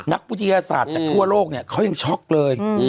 นักพุทธิศาสตร์จากทั่วโลกเขายังช็อคเลย